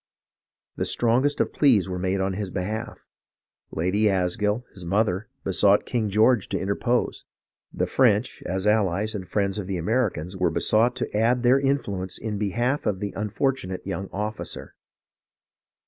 The strongest of pleas were made in his behalf. Lady Asgill, his mother, besought King George to interpose ; the French, as allies and friends of the Americans, were besought to add their influence in behalf of the unfortunate young officer.